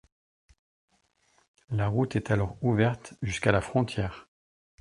La route est alors ouverte jusqu'à la frontière.